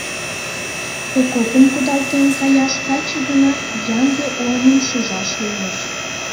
Окопым кудалтен каяш таче гынат ямде улмым шижаш лиеш.